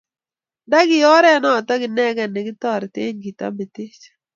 Anda ki oret notok inegei ne kitoretee kitameteech.